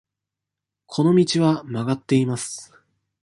この道は曲がっています。